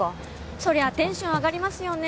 そりゃあテンション上がりますよね